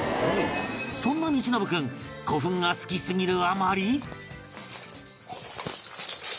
そんな導宣君古墳が好きすぎるあまり